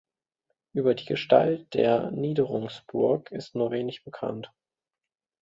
Über die Gestalt der Niederungsburg ist nur wenig bekannt.